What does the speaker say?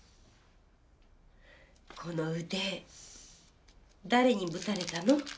この腕誰にぶたれたの？